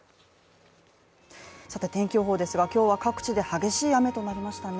天気予報ですが、今日は各地で激しい雨となりましたね。